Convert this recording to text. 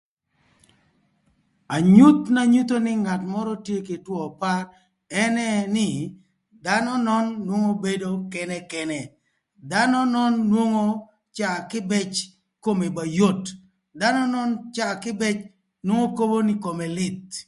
Anyuth na nyutho nï ngat mörö tye kï two par ënë nï dhanö nön nwongo bedo kënëkënë. Dhano nön nwongo caa kïbëc kome ba yot, dhano nön caa kïbëc kobo nï kome lïth.